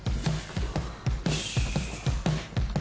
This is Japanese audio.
よし。